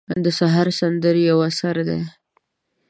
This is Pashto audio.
د سهار سندرې یو اثر دی.